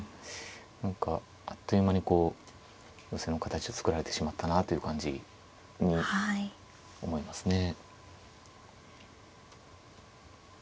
何かあっという間にこう寄せの形を作られてしまったなという感じに思いますね。